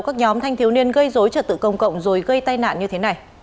các nhóm thanh thiếu niên gây dối trật tự công cộng rồi gây tai nạn như thế này